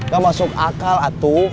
gak masuk akal atuh